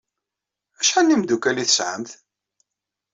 Acḥal n yimeddukal ay tesɛamt?